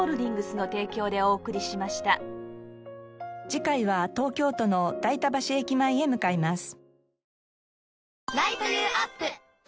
次回は東京都の代田橋駅前へ向かいます。